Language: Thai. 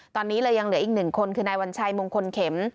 ตอนนี้เลยยังเหลืออีกหนึ่งคนคือนายวัญชัยมงคลเข็ม